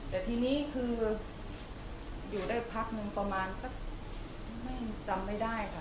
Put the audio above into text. แต่ทีนี้คืออยู่ได้พักหนึ่งประมาณสักไม่จำไม่ได้ค่ะ